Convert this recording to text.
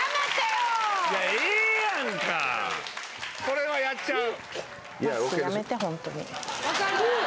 これはやっちゃう。